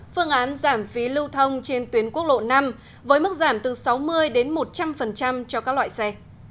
phương án giảm phí lưu thông trên tuyến quốc lộ năm với mức giảm từ sáu mươi đến một trăm linh cho các loại xe